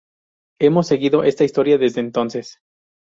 Hemos seguido esta historia desde entonces.